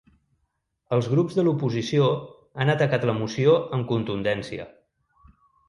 Els grups de l’oposició han atacat la moció amb contundència.